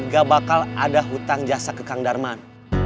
gak bakal ada hutang jasa ke kang darman